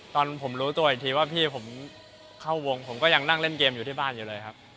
ตอนผมรู้ตัวอีกทีว่าพี่ผมเข้าวงผมก็ยังนั่งเล่นเกมอยู่ที่บ้านอยู่เลยครับ